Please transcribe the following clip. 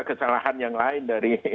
kesalahan yang lain dari